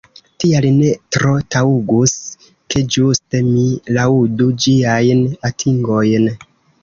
Tial ne tro taŭgus, ke ĝuste mi laŭdu ĝiajn atingojn.